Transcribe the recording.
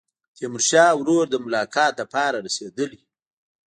تیمورشاه ورور د ملاقات لپاره رسېدلی.